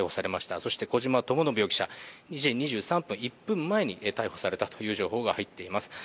そして小島智信容疑者、２時２３分１分前に逮捕されたという情報が入っています。